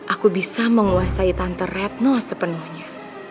aku bisa menguasai tante retno sepenuhnya